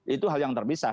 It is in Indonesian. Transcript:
itu hal yang terpisah